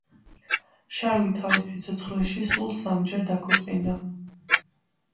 შარლი თავის სიცოცხლეში სულ სამჯერ დაქორწინდა.